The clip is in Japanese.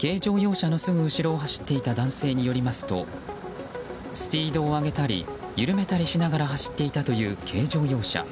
軽乗用車のすぐ後ろを走っていた男性によりますとスピードを上げたり緩めたりしながら走っていたという軽乗用車。